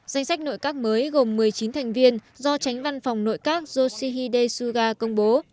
danh sách nội các mới gồm một mươi chín thành viên do tránh văn phòng nội các yoshihide suga công bố